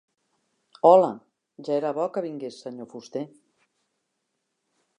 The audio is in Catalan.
Hola, ja era bo que vingués, senyor fuster.